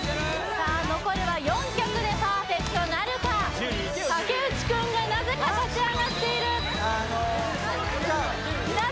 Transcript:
さあ残るは４曲でパーフェクトなるか樹いけよ樹竹内君がなぜか立ち上がっているあの氷川